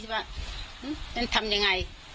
ฉันทำยังไง